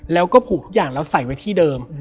แล้วก็ผูกทุกอย่างแล้วใส่ไว้ที่เดิม